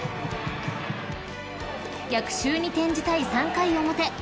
［逆襲に転じたい３回表］